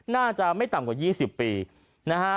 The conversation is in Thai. น่าจะไม่ต่ำกว่า๒๐ปีนะฮะ